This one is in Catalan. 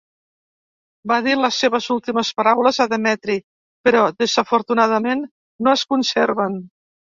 Va dir les seves últimes paraules a Demetri, però desafortunadament no es conserven.